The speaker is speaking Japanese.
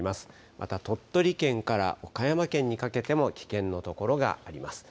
また鳥取県から岡山県にかけても危険のところがあります。